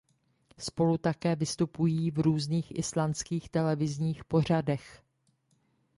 Spolu také vystupují v různých islandských televizních pořadech.